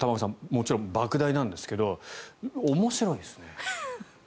もちろんばく大なんですが面白いですね。